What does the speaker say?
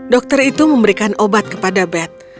dokter itu memberikan obat kepada bed